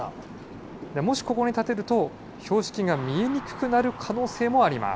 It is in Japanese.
もしここに立てると、標識が見えにくくなる可能性もあります。